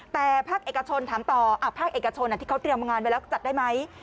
แต่ภาคเอกชนถามต่อภาคเอกชนที่เขาเตรียมงานไว้แล้วจัดได้ไหม